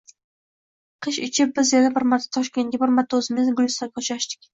Qish ichi biz yana bir marta Toshkentda, bir marta o`zimizning Gulistonda uchrashdik